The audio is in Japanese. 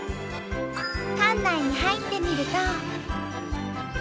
館内に入ってみると。